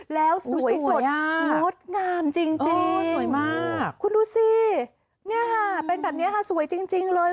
แล้วสวยสุดมดงามจริงคุณดูสิเป็นแบบนี้ค่ะสวยจริงเลย